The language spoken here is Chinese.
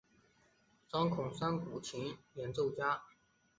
张孔山古琴演奏家。